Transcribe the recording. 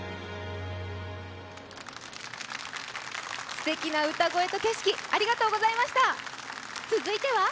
すてきな歌声と景色ありがとうございました。